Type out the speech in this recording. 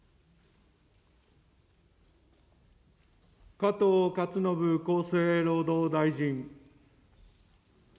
加藤勝信厚生労働大臣。